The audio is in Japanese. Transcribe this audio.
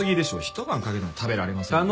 一晩かけても食べられませんよ。